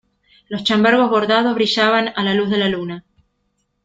los chambergos bordados brillaban a la luz de la luna.